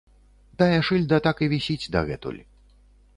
Тая шыльда так і вісіць дагэтуль.